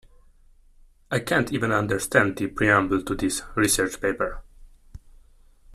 I can’t even understand the preamble to this research paper.